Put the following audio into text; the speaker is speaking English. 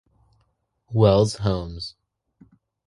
Wells Homes.